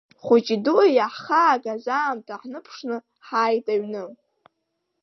Хәыҷи-дуи иаҳхаагаз аамҭа ҳныԥшны ҳааит аҩны.